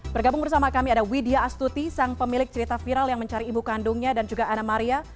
bergabung bersama kami ada widya astuti sang pemilik cerita viral yang mencari ibu kandungnya dan juga anna maria